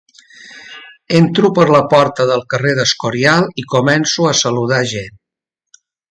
Entro per la porta del carrer d'Escorial i començo a saludar gent.